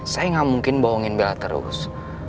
saya gak mungkin bohongin bella terus